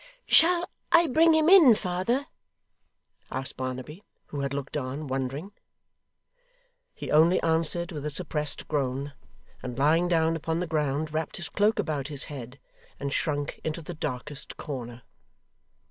'Shall I bring him in, father?' asked Barnaby, who had looked on, wondering. He only answered with a suppressed groan, and lying down upon the ground, wrapped his cloak about his head, and shrunk into the darkest corner.